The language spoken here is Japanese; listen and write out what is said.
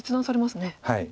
はい。